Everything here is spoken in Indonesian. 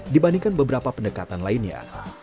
dibandingkan beberapa pendekatan lainnya